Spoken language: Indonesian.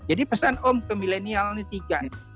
jadi pesan om ke milenial ini tiga